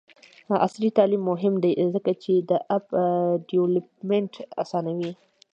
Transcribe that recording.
عصري تعلیم مهم دی ځکه چې د اپ ډیولپمنټ اسانوي.